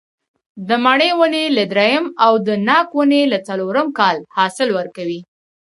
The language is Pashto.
د مڼې ونې له درېیم او د ناک ونې له څلورم کال حاصل ورکوي.